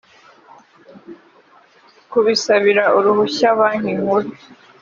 kubisabira uruhushya banki nkuru